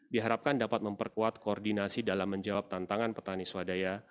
diharapkan dapat memperkuat koordinasi dalam menjawab tantangan petani swadaya